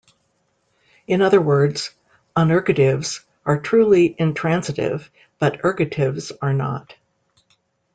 In other words, unergatives are truly intransitive, but ergatives are not.